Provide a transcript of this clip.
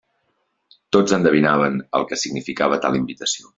Tots endevinaven el que significava tal invitació.